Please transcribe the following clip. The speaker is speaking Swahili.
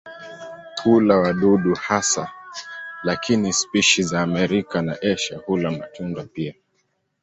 Hula wadudu hasa lakini spishi za Amerika na Asia hula matunda pia.